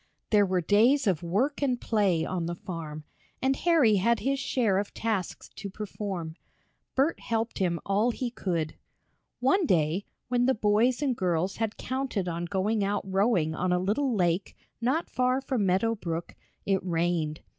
There were days of work and play on the farm, and Harry had his share of tasks to perform. Bert helped him all he could. One day, when the boys and girls had counted on going out rowing on a little lake not far from Meadow Brook, it rained.